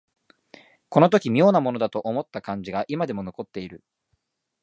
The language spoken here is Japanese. この時妙なものだと思った感じが今でも残っている